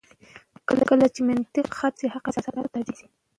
چې کله منطق ختم شي عقل د احساساتو تابع شي.